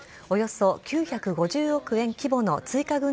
およそ９５０億円規模の追加